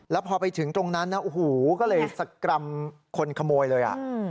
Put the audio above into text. แล้วพอไปถึงตรงนั้นอุ้หูก็เลยสักกรัมคนขโมยเลย